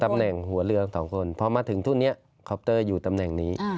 ตำแหน่งหัวเรือของทั้งสองคนพอมาถึงทุนนี้คอปเตอร์อยู่ตำแหน่งนี้